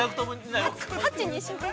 ８にしますか？